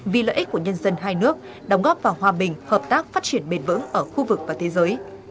vì lợi ích của nhân dân hai nước đóng góp vào hòa bình hợp tác phát triển bền vững ở khu vực và thế giới